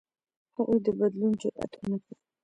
هغوی د بدلون جرئت ونه کړ.